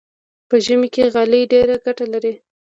په ژمي کې غالۍ ډېره ګټه لري.